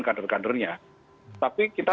kader kadernya tapi kita